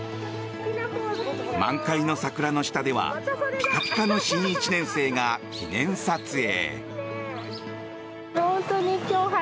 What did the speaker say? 満開の桜の下ではピカピカの新１年生が記念撮影。